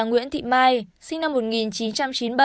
nguyễn thị mai sinh năm một nghìn chín trăm chín mươi bảy